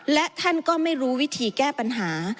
และท่านก็ไม่รู้วิธีแก้ปัญหา